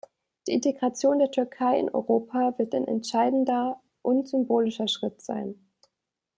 Die Integration der Türkei in Europa wird ein entscheidender und symbolischer Schritt sein.